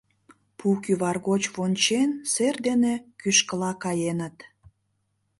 Пу кӱвар гоч вончен, сер дене кӱшкыла каеныт.